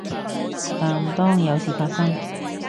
但當有事發生